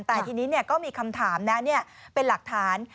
แต่ทีนี้ก็มีคำถามนะเป็นหลักฐาน